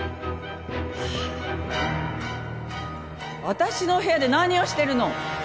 私の部屋で何をしてるの？